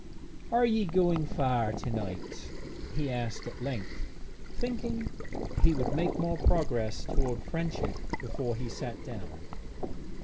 'Are you going far to night?' he asked at length, thinking he would make more progress toward friendship before he sat down.